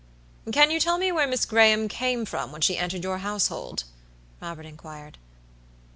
"Can you tell me where Miss Graham came from when she entered your household?" Robert inquired.